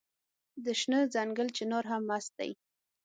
د شنه ځنګل چنار هم مست دی